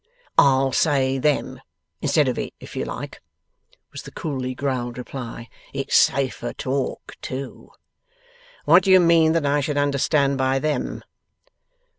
'I'll say them, instead of it, if you like,' was the coolly growled reply. 'It's safer talk too.' 'What do you mean that I should understand by them?